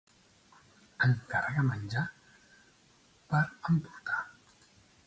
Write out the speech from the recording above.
Encarrega menjar per emportar.